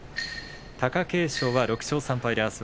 貴景勝は６勝３敗です。